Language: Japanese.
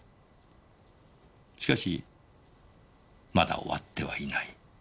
しかしまだ終わってはいない。